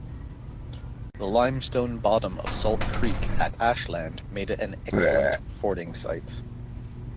The limestone bottom of Salt Creek at Ashland made it an excellent fording site.